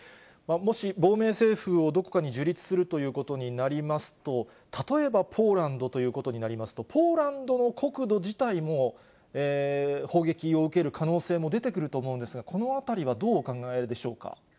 もし亡命政府をどこかに樹立するということになりますと、例えば、ポーランドということになりますと、ポーランドの国土自体も砲撃を受ける可能性も出てくると思うんですが、このあたりはどうお考えでしょうか。